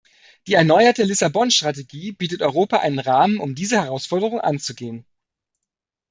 Die erneuerte Lissabon-Strategie bietet Europa einen Rahmen, um diese Herausforderung anzugehen.